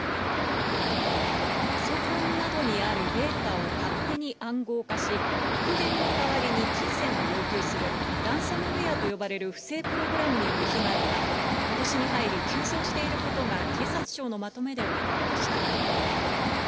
パソコンなどにあるデータを勝手に暗号化し、復元の代わりに金銭を要求するランサムウェアと呼ばれる不正プログラムによる被害が、ことしに入り急増していることが警察庁のまとめで分かりました。